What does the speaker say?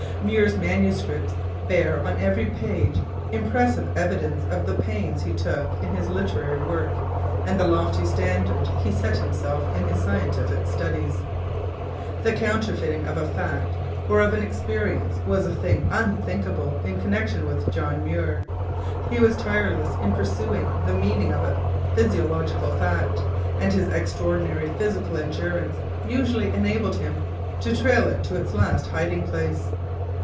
Muir's manuscripts bear on every page impressive evidence of the pains he took in his literary work, and the lofty standard he set himself in his scientific studies. The counterfeiting of a fact or of an experience was a thing unthinkable in connection with John Muir. He was tireless in pursuing the meaning of a physiographical fact, and his extraordinary physical endurance usually enabled him to trail it to its last hiding place.